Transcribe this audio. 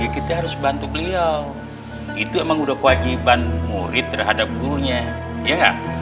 kita harus bantu beliau itu emang udah kewajiban murid terhadap gurunya ya